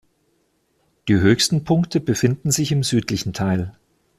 Die höchsten Punkte befinden sich im südlichen Teil.